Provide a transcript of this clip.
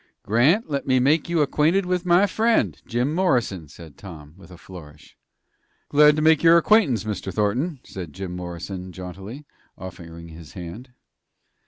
"Grant, let me make you acquainted with my friend, Jim Morrison," said Tom, with a flourish. "Glad to make your acquaintance, Mr. Thornton," said Jim Morrison, jauntily, offering his hand.